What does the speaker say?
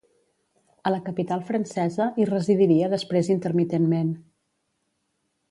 A la capital francesa hi residiria després intermitentment.